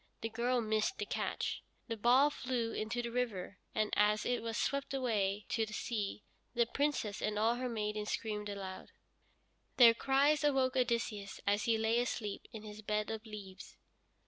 The girl missed the catch. The ball flew into the river, and, as it was swept away to the sea, the Princess and all her maidens screamed aloud. Their cries awoke Odysseus, as he lay asleep in his bed of leaves.